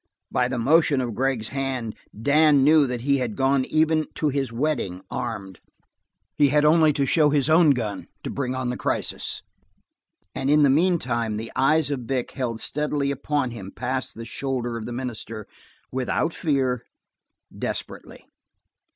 By the motion of Gregg's hand, Dan knew that he had gone even to his wedding armed. He had only to show his own gun to bring on the crisis, and in the meantime the eyes of Vic held steadily upon him past the shoulder of the minister, without fear, desperately.